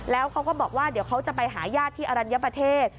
แล้วเขาก็บอกว่าเดี๋ยวเขาจะไปหาญาติที่อรัญญประเทศ